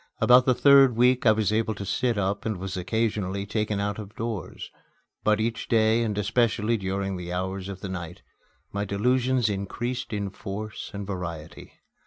About the third week I was able to sit up and was occasionally taken out of doors But each day, and especially during the hours of the night, my delusions increased in force and variety.